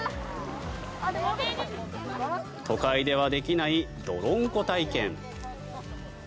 都会ではできない泥んこ体験。